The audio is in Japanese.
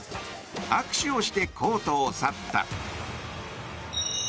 握手をしてコートを去った。